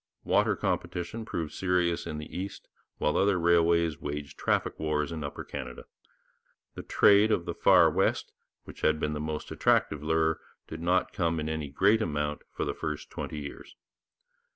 Water competition proved serious in the east, while other railways waged traffic wars in Upper Canada. The trade of the far west, which had been the most attractive lure, did not come in any great amount for the first twenty years.